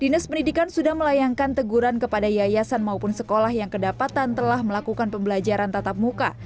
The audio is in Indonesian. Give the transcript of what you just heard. dinas pendidikan sudah melayangkan teguran kepada yayasan maupun sekolah yang kedapatan telah melakukan pembelajaran tatap muka